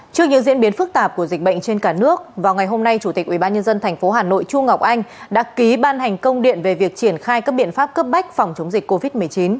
trước những diễn biến phức tạp của dịch bệnh trên cả nước vào ngày hôm nay chủ tịch ubnd tp hà nội chu ngọc anh đã ký ban hành công điện về việc triển khai các biện pháp cấp bách phòng chống dịch covid một mươi chín